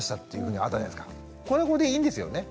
これはこれでいいんですよね？